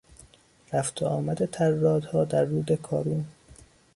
رفت و آمد طرادها در رود کارون